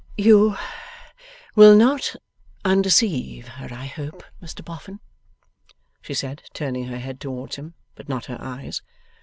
'You will not undeceive her I hope, Mr Boffin?' she said, turning her head towards him, but not her eyes.